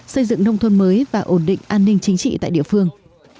xây dựng nông thôn mới và ổn định an ninh chính trị tại địa phương